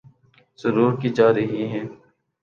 ضرور کی جارہی ہیں